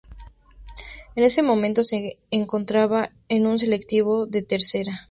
En ese momento se encontraba en un selectivo de tercera.